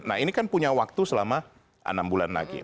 nah ini kan punya waktu selama enam bulan lagi